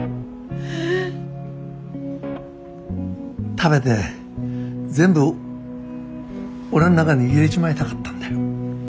食べて全部俺ん中に入れちまいたかったんだよ。